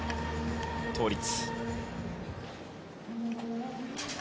倒立。